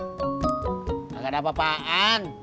gak ada apa apaan